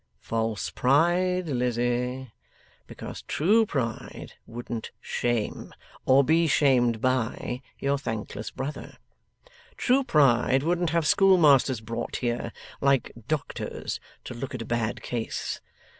False pride, Lizzie. Because true pride wouldn't shame, or be shamed by, your thankless brother. True pride wouldn't have schoolmasters brought here, like doctors, to look at a bad case.